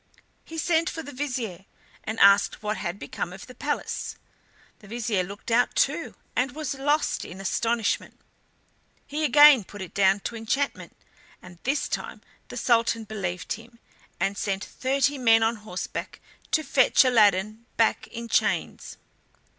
He sent for the Vizier and asked what had become of the palace. The Vizier looked out too, and was lost in astonishment. He again put it down to enchantment, and this time the Sultan believed him, and sent thirty men on horseback to fetch Aladdin back in chains.